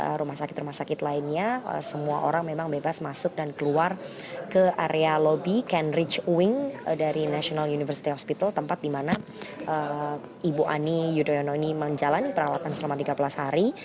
di rumah sakit rumah sakit lainnya semua orang memang bebas masuk dan keluar ke area lobby cambridge wing dari national university hospital tempat di mana ibu ani yudhoyono ini menjalani perawatan selama tiga belas hari